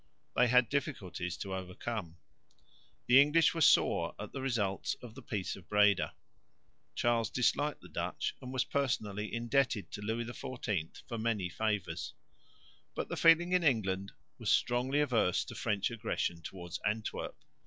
They had difficulties to overcome. The English were sore at the results of the peace of Breda. Charles disliked the Dutch and was personally indebted to Louis XIV for many favours. But the feeling in England was strongly averse to French aggression towards Antwerp.